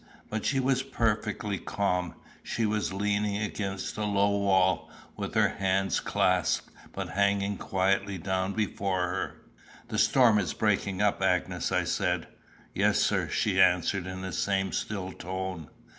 But she was perfectly calm. She was leaning against the low wall, with her hands clasped, but hanging quietly down before her. "The storm is breaking up, Agnes," I said. "Yes, sir," she answered in the same still tone.